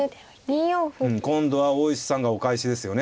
今度は大石さんがお返しですよね。